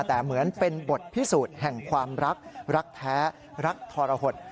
แต่เหมือนเป็นบทพิสูจน์แห่งความรักรักแท้รักทรหด